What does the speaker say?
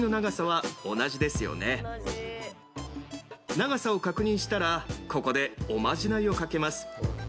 長さを確認したらここでおまじないをかけます。